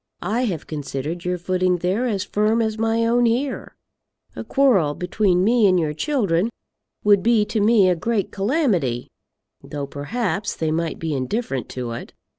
I have considered your footing there as firm as my own here. A quarrel between me and your children would be to me a great calamity, though, perhaps, they might be indifferent to it.